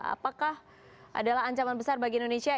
apakah adalah ancaman besar bagi indonesia